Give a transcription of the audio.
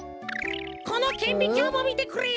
このけんびきょうもみてくれよ！